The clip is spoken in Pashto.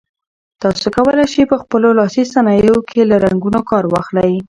تاسي کولای شئ په خپلو لاسي صنایعو کې له رنګونو کار واخلئ.